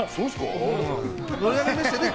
盛り上がりましたよね？